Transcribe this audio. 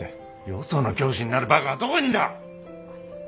よその教師になるバカがどこにいるんだ！